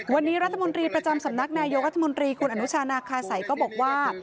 วันนี้รัฐมนตรีประจำสำนักนายกรัฐมนตรีคุณอนุชานาคาสัยก็บอกว่า